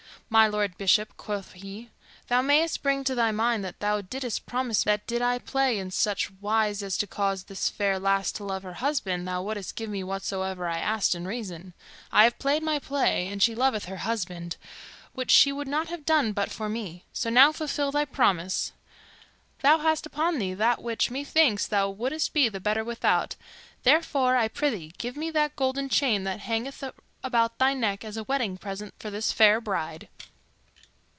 "My Lord Bishop," quoth he, "thou mayst bring to thy mind that thou didst promise me that did I play in such wise as to cause this fair lass to love her husband, thou wouldst give me whatsoever I asked in reason. I have played my play, and she loveth her husband, which she would not have done but for me; so now fulfill thy promise. Thou hast upon thee that which, methinks, thou wouldst be the better without; therefore, I prythee, give me that golden chain that hangeth about thy neck as a wedding present for this fair bride."